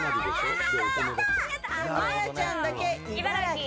まやちゃんだけ茨城。